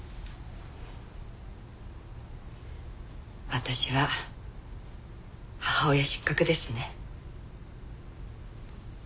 私は母親失格ですね。